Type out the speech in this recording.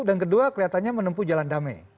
dan kedua kelihatannya menempuh jalan damai